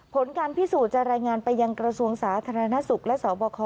ผลการพิสูจน์จะรายงานไปยังกระทรวงสาธารณสุขและสบค